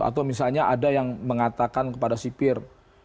atau misalnya ada yang mengatakan kepada sipir